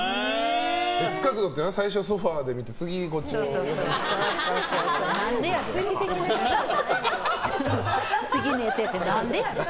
別角度っていうのは最初ソファで見てなんでやねん！